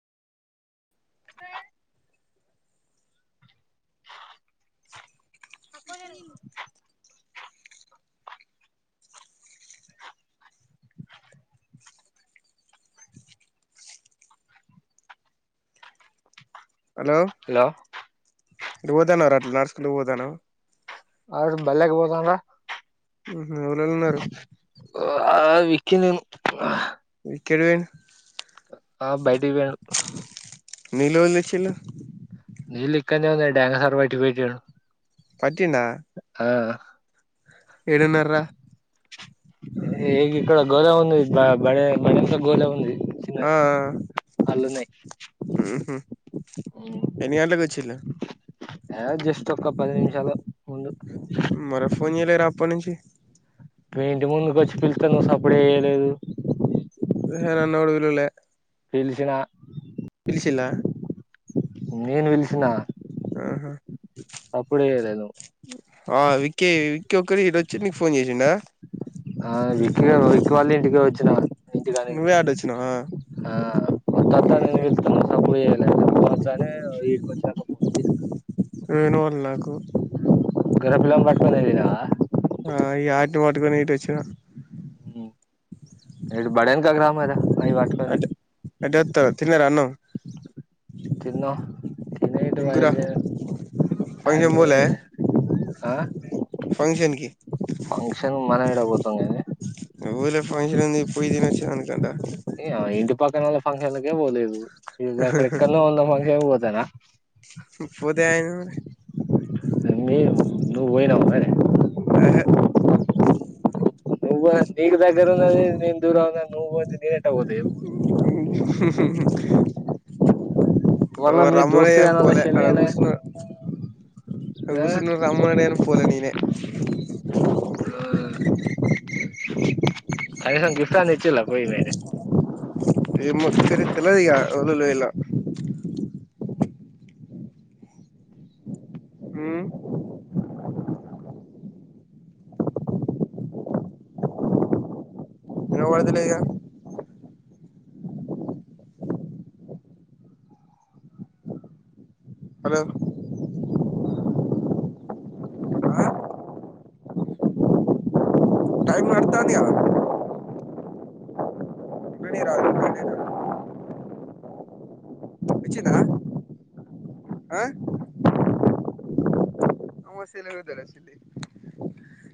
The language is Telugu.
ఆ పక్కకు జరుగు హలో ఎటు పోతాన్నవ్ర అట్లా నడుసుకుంటు పోతన్నావ్ అ బళ్లకి పోతండ్ల ఎవరెవరు ఉన్నారు కినిము కిరివిన్ ఆ బయటికి పోయిండు నీళ్ళు ఎవలు తెచ్చిల్లు నీళ్ళు ఇక్కడనే ఉన్నాయి డ్యాన్ హరుబయట పెట్టిండు పుట్టిండా ఏడున్నార్రా ఏ ఇక్కడ గోద ఉంది బ బడె బడే మనంత గోద ఉంది ఆ చిన్నది అళ్ళున్నాయి ఉ హు ఎన్నిగంట్ల కొచ్చిళ్లు ఆ జస్ట్ ఒక్క పది నిమిషాల ముందు ఎప్పట్నుంచి మీ ఇంటి ముంగకు వచ్చి పిలిస్తే నువ్వు సప్పుయేయ్యలేదు హే నన్నెవడుపిలువలే పిలిసిన పిలిచిల్లా నేను పిలిసిన చేయలేదు ఆ విక్కి విక్కీ ఒక్కడు ఈడొచ్చి నీకు ఫోన్ చేసిండా ఆ విక్కి గారు విక్కి వాళ్ళ ఇంటికి వచ్చిన ఇంటికాడికి నువ్వే ఆడోచ్చినావా ఆ వత్తత్త నే పిలుసుకొని నేను సప్పుడు చేయలె మల్ల వస్తా అని ఇడికి వచ్చినాక ఫోన్ చేసింది నెన్ వెల్లక్ కు గొర్రె పిల్లని పట్టుకొని పోయినవా ఆ యాటివ పెట్టుకొని ఇట్టొచ్చిన ఇడ బడన్కక్ రా మరి అయి బట్కొని అటే అటే వత్తా తిన్నారా అన్నం తిందాం తిని ఇటు ఏం కూర బయలుదేరు ఫంక్షన్ అంటె పోలే అది ఆ ఫంక్షన్ కి ఫంక్షన్ మనం ఏడపోతు మి ఊర్లో ఫంక్షన్ ఉంది పోయి తిని వచ్చేదానికంట ఫంక్షన్ లకే పోలేదు ఇగ గక్కడ ఎక్కడనో ఉన్న ఫంక్షన్పోతారా పోతే ఏమయితుంది మీ నువు పోయినావా ఎహే నువ్వ నీకు దగ్గర ఉన్నది నేన్ దొరముందాని నువ్ పో తే నేన్ ఎట్టా పోతా చెప్పు హు హు హు మళ్ళ మీ దోస్తు రమ్మన్యన్ గాని వాళ్ళ పోలే చెల్లి అడ గాని కుసిన డ ఆ కూసున్న రమ్మన్నాడు అయిన పోలే నేనే కానీసం గిఫ్ట్ అన్న తెచ్చిన్ల పోయి మీరు ఏమో తెరి తెలదిగ ఎవళ్ళేవళ్ళు పోయిల్లో హు వినబడ్తలేగ హలో ఆ టైం నడుతాంది కదా ఉండనీరా వచ్చిందా ఆ [unintelligible]